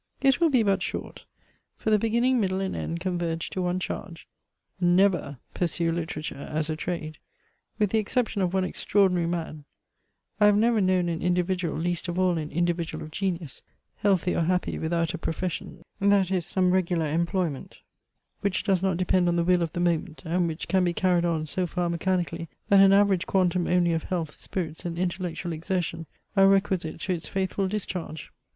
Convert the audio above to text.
It will be but short; for the beginning, middle, and end converge to one charge: never pursue literature as a trade. With the exception of one extraordinary man, I have never known an individual, least of all an individual of genius, healthy or happy without a profession, that is, some regular employment, which does not depend on the will of the moment, and which can be carried on so far mechanically that an average quantum only of health, spirits, and intellectual exertion are requisite to its faithful discharge.